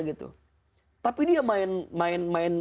gitu tapi dia main